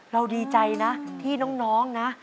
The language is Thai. ดีใจนะที่น้องนะ